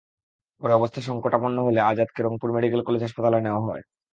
পরে অবস্থা সংকটাপন্ন হলে আজাদকে রংপুর মেডিকেল কলেজ হাসপাতালে নেওয়া হয়।